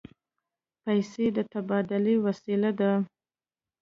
پیسې د تبادلې وسیله ده.